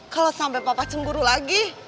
kalau sampai papa cemburu lagi